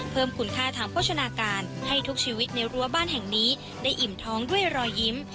เพิ่มคุณค่าทางโภชนาการให้ทุกชีวิตในรั้วบ้านแห่งนี้ได้อิ่มท้องด้วยรอยยิ้ม